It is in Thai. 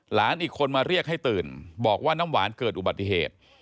หลานอีกคนมาเรียกให้ตื่นบอกว่าน้ำหวานเกิดอุบัติเหตุ